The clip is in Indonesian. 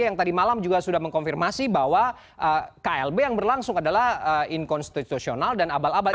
yang tadi malam juga sudah mengkonfirmasi bahwa klb yang berlangsung adalah inkonstitusional dan abal abal